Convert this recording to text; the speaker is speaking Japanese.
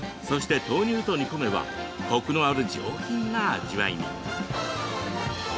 そして豆乳と煮込めばコクのある上品な味わいに。